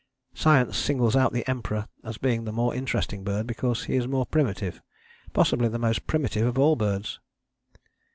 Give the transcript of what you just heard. Science singles out the Emperor as being the more interesting bird because he is more primitive, possibly the most primitive of all birds.